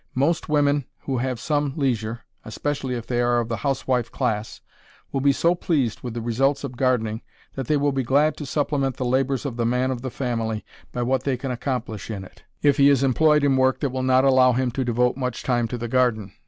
Most women who have some leisure especially if they are of the housewife class will be so pleased with the results of gardening that they will be glad to supplement the labors of the man of the family by what they can accomplish in it, if he is employed in work that will not allow him to devote much time to the garden.